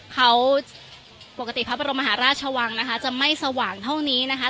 เขาปกติพระบรมมหาราชวังนะคะจะไม่สว่างเท่านี้นะคะ